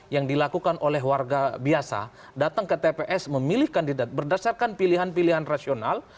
yang dilakukan oleh warga biasa datang ke tps memilih kandidat berdasarkan pilihan pilihan rasional